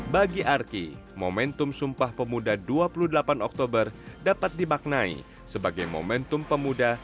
bagi arki momentum sumpah pemuda dua puluh delapan oktober dapat dimaknai sebagai momentum pemuda